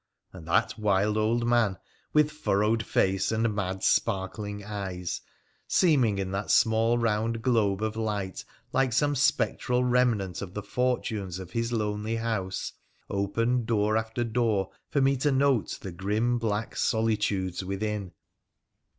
And that wild old man, with furrowed face and mad, sparkling eyes, seeming in that small round globe of light like some spectral remnant of the fortunes of his lonely house, opened door after door for me to note the grim black solitudes within.